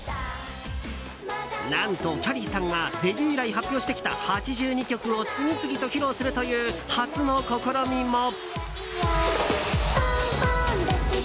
何と、きゃりーさんがデビュー以来発表してきた８２曲を次々と披露するという初の試みも。